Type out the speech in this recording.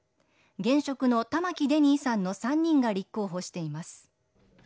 現職の玉城デニーさんの３人が立候補しています。